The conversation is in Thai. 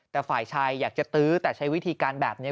แต่ฝ่ายชายอยากจะตื้อแต่ใช้วิธีการแบบนี้